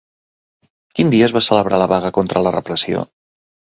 Quin dia es va celebrar la vaga contra la repressió?